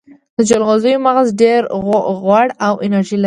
د جلغوزیو مغز ډیر غوړ او انرژي لري.